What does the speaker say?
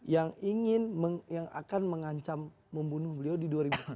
yang ingin yang akan mengancam membunuh beliau di dua ribu dua puluh